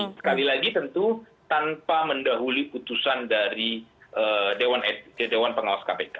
sekali lagi tentu tanpa mendahuli putusan dari ke dewan pengawas kpk